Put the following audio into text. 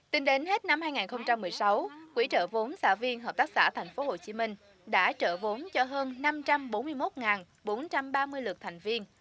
tính đến hết năm hai nghìn một mươi sáu quỹ trợ vốn xã viên hợp tác xã thành phố hồ chí minh đã trợ vốn cho hơn năm trăm bốn mươi một bốn trăm ba mươi lượt thành viên